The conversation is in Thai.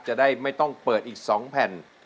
จะได้ไม่ต้องเปิดอีก๒แผ่น